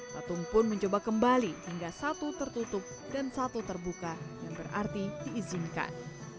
patung pun mencoba kembali hingga satu tertutup dan satu terbuka yang berarti diizinkan